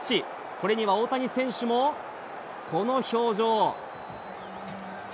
これには大谷選手も、この表情。